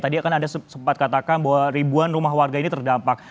tadi kan anda sempat katakan bahwa ribuan rumah warga ini terdampak